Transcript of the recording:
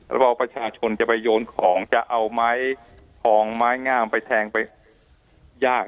แล้วพอประชาชนจะไปโยนของจะเอาไม้ทองไม้งามไปแทงไปยาก